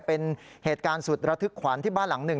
เป็นเหตุการณ์สุดระทึกขวัญที่บ้านหลังหนึ่ง